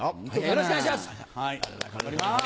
よろしくお願いします！